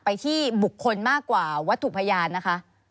ที่บุคคลมากกว่าวัตถุพยานนะคะ